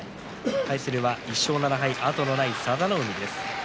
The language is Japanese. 対するは１勝７敗と後のない佐田の海です。